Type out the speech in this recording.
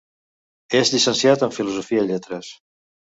És llicenciat en filosofia i lletres.